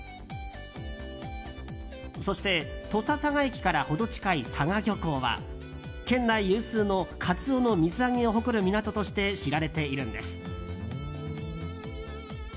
そして、土佐佐賀駅からほど近い佐賀漁港は県内有数のカツオの水揚げを誇る港として知られているんです。